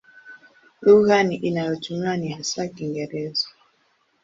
Lugha inayotumiwa ni hasa Kiingereza.